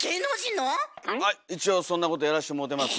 あ一応そんなことやらしてもろてます。